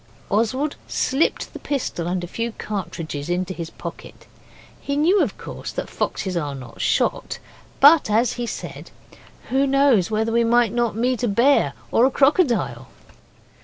Oswald slipped the pistol and a few cartridges into his pocket. He knew, of course, that foxes are not shot; but as he said 'Who knows whether we may not meet a bear or a crocodile.